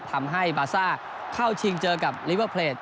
ทำให้บาซ่าเข้าชิงเจอกับลิเวอร์เพลต